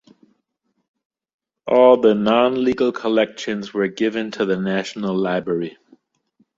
All the non-legal collections were given to the National Library.